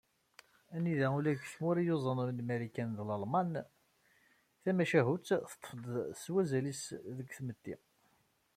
Anida ula deg tmura yuẓan am Marikan d Lalman, tamacahut teṭṭef adeg s wazal-is deg tmetti.